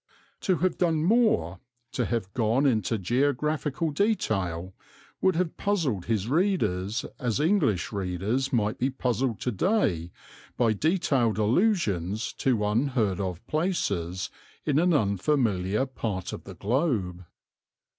To have done more, to have gone into geographical detail, would have puzzled his readers as English readers might be puzzled to day by detailed allusions to unheard of places in an unfamiliar part of the globe.